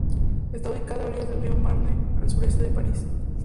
Está ubicada a orillas del río Marne, a al sureste de París.